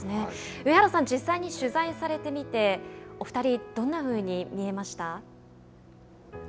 上原さん、実際に取材されてみてお二人、どんなふうに見えました？